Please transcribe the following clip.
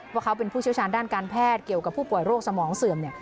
ว่าเขาเป็นผู้เชี่ยวชาญด้านการแพทย์เกี่ยวกับผู้ป่วยโรคสมองเสื่อมเนี่ย